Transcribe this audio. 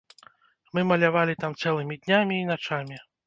Мы малявалі там цэлымі днямі і начамі.